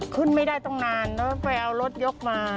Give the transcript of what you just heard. ขึ้นไม่ได้ตั้งนานแล้วไปเอารถยกมา